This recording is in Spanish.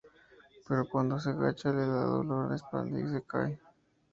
Pero cuando se agacha le da dolor de espalda y se cae.